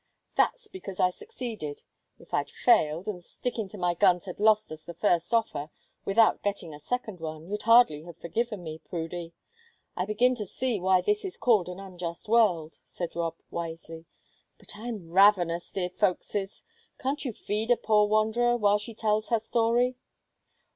"That's because I succeeded; if I'd failed, and sticking to my guns had lost us the first offer, without getting a second one, you'd hardly have forgiven me, Prudy. I begin to see why this is called an unjust world," said Rob, wisely. "But I'm ravenous, dear folkses can't you feed a poor wanderer, while she tells her story?"